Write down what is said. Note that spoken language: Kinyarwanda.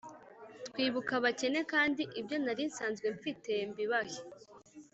twibuka abakene kandi ibyo nari nsanzwe mfite mbibahe